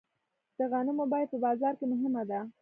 د غنمو بیه په بازار کې مهمه ده.